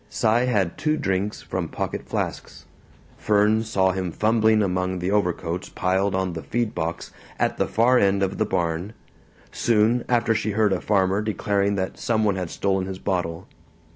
Cy had two drinks from pocket flasks. Fern saw him fumbling among the overcoats piled on the feedbox at the far end of the barn; soon after she heard a farmer declaring that some one had stolen his bottle.